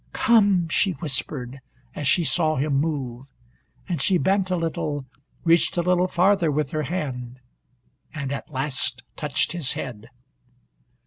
"Come!" she whispered as she saw him move, and she bent a little, reached a little farther with her hand, and at last touched his head.